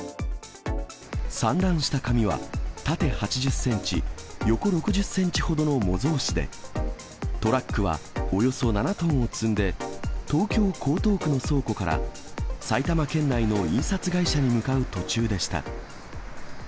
散乱した紙は縦８０センチ、横６０センチほどの模造紙で、トラックはおよそ７トンを積んで、東京・江東区の倉庫から埼玉県内の印刷会社に向かう途中でした。